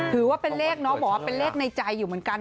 ถือว่าเป็นเลขน้องบอกว่าเป็นเลขในใจอยู่เหมือนกัน